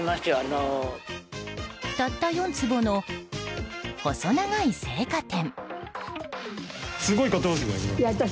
たった４坪の細長い青果店。